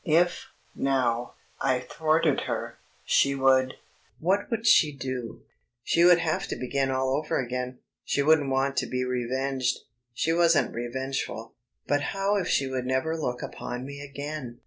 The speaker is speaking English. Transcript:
If, now, I thwarted her, she would ... what would she do? She would have to begin all over again. She wouldn't want to be revenged; she wasn't revengeful. But how if she would never look upon me again?